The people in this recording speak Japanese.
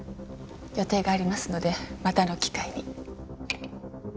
予定がありますのでまたの機会に。